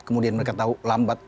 kemudian mereka tahu lambat